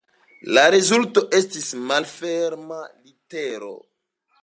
La rezulto estis "Malferma letero".